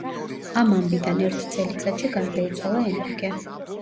ამ ამბიდან ერთ წელიწადში გარდაიცვალა ენრიკე.